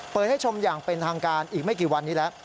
ให้ชมอย่างเป็นทางการอีกไม่กี่วันนี้แล้ว